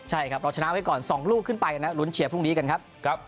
ใช่ครับเราชนะไว้ก่อน๒ลูกขึ้นไปนะลุ้นเชียร์พรุ่งนี้กันครับ